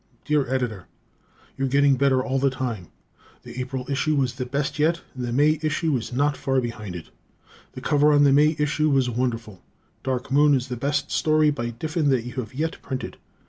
_ Dear Editor: You're getting better all the time. The April number was the best yet, and the May issue is not far behind it. The cover on the May issue was wonderful. "Dark Moon" is the best story by Diffin that you have yet printed.